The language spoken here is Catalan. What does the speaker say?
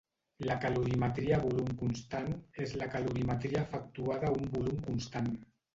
La calorimetria a volum constant és la calorimetria efectuada a un volum constant.